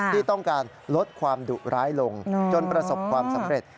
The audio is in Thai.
ที่ต้องการลดความดุร้ายลงจนประสบความสำเร็จ